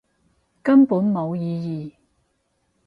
根本冇意義